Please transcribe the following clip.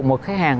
một khách hàng